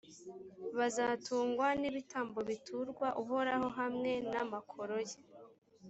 bazatungwa n’ibitambo biturwa uhoraho hamwe n’amakoro ye.